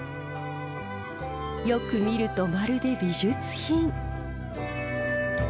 よく見るとまるで美術品。